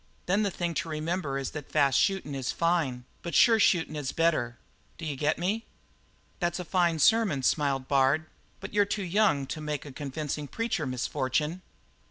Then the thing to remember is that the fast shootin' is fine, but sure shootin' is a lot better. D'you get me?" "That's a fine sermon," smiled Bard, "but you're too young to make a convincing preacher, Miss Fortune."